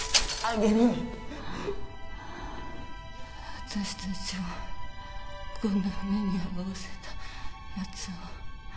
私達をこんな目に遭わせたやつを